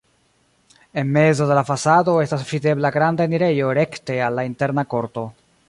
En mezo de la fasado estas videbla granda enirejo rekte al la interna korto.